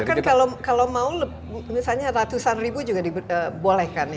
bahkan kalau mau misalnya ratusan ribu juga dibolehkan